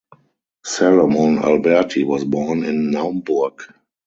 Salomon Alberti was born in Naumburg.